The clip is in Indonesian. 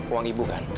uang ibu kan